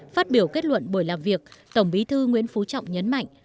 phát biểu kết luận buổi làm việc tổng bí thư nguyễn phú trọng nhấn mạnh